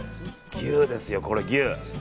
牛ですよ、これ牛。